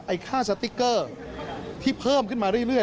ค่าสติ๊กเกอร์ที่เพิ่มขึ้นมาเรื่อย